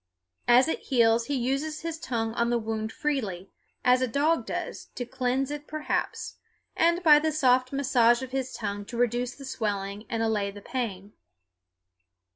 As it heals he uses his tongue on the wound freely, as a dog does, to cleanse it perhaps, and by the soft massage of his tongue to reduce the swelling and allay the pain.